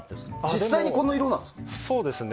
実際にこの色なんですか。